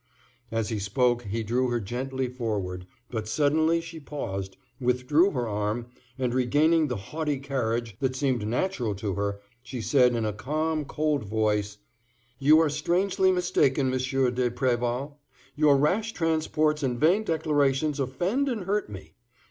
As he spoke he drew her gently forward; but suddenly she paused, withdrew her arm, and regaining the haughty carriage that seemed natural to her she said in a calm cold voice: "You are strangely mistaken, M. de Préval. Your rash transports and vain declarations offend and hurt me.